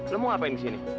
semua mau ngapain di sini